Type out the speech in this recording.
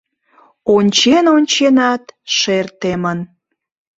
Ончен-онченат шер темын.